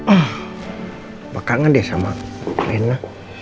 eh bakangan deh sama rena